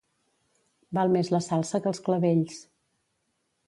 Val més la salsa que els clavells.